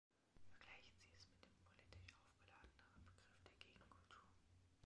Vergleichen Sie es mit dem politisch aufgeladeneren Begriff der Gegenkultur.